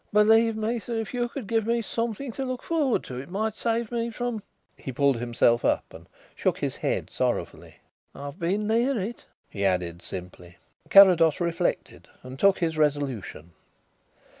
Believe me, sir, if you could give me something to look forward to it might save me from " He pulled himself up and shook his head sorrowfully. "I've been near it," he added simply. Carrados reflected and took his resolution.